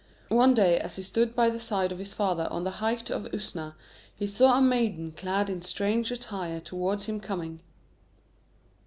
One day as he stood by the side of his father on the height of Usna, he saw a maiden clad in strange attire towards him coming.